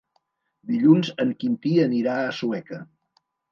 Dilluns en Quintí anirà a Sueca.